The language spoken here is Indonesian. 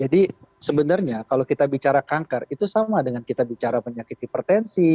jadi sebenarnya kalau kita bicara kanker itu sama dengan kita bicara penyakit hipertensi